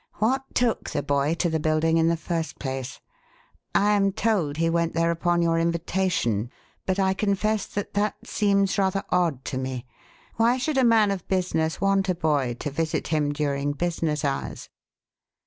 What took the boy to the building, in the first place? I am told he went there upon your invitation, but I confess that that seems rather odd to me. Why should a man of business want a boy to visit him during business hours?"